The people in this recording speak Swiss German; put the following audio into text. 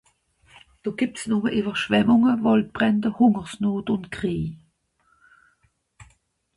Do gebt's numme Ewerschwemmunge, Waldbrände, Hungersnot un Kriej